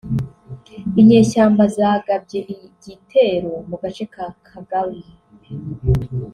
inyeshyamba zagabye igitero mu gace ka Kagabi